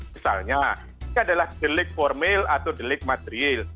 misalnya ini adalah delik formel atau delik materiel